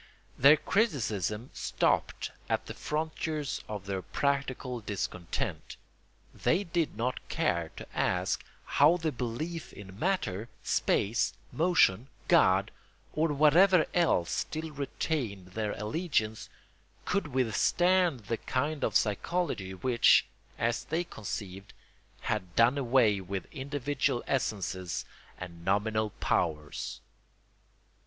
Their criticism stopped at the frontiers of their practical discontent; they did not care to ask how the belief in matter, space, motion, God, or whatever else still retained their allegiance, could withstand the kind of psychology which, as they conceived, had done away with individual essences and nominal powers.